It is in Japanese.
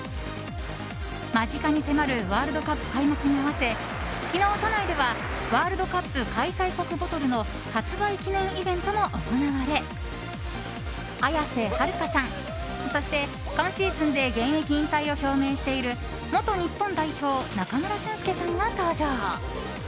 間近に迫るワールドカップ開幕に合わせ昨日、都内ではワールドカップ開催国ボトルの発売記念イベントも行われ綾瀬はるかさんそして今シーズンで現役引退を表明している元日本代表・中村俊輔さんが登場。